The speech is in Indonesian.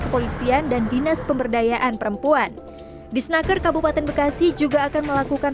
kepolisian dan dinas pemberdayaan perempuan bisnaker kabupaten bekasi juga akan melakukan